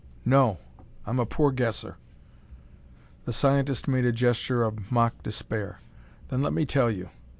"No; I'm a poor guesser." The scientist made a gesture of mock despair. "Then let me tell you.